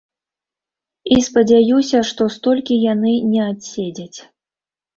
І спадзяюся, што столькі яны не адседзяць.